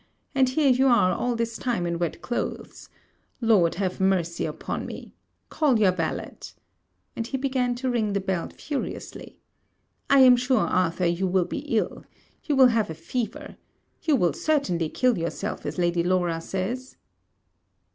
And here you are all this time in wet clothes! Lord, have mercy upon me! Call your valet!' and he began to ring the bell furiously. 'I am sure, Arthur, you will be ill. You will have a fever. You will certainly kill yourself, as Lady Laura says.'